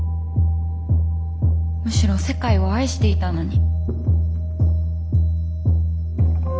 むしろ世界を愛していたのに。